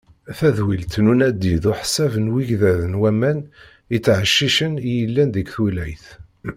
Tadwilt n unadi d uḥsab n yigḍaḍ n waman yettɛeccicen i yellan di twilayt.